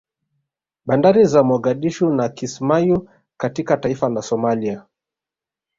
Bandari za Mogadishu na Kismayu katika taifa la Somalia